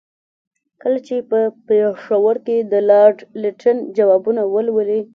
کله چې په پېښور کې د لارډ لیټن ځوابونه ولولي.